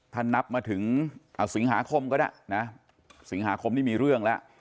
ถ้านับมาถึงสิงหาคมก็ได้นะสิงหาคมนี่มีเรื่องแล้ว